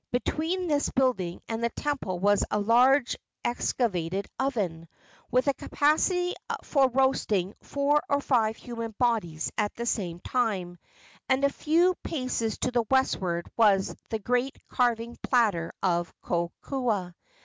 Between this building and the temple was a large excavated oven, with a capacity for roasting four or five human bodies at the same time, and a few paces to the westward was the great carving platter of Kokoa.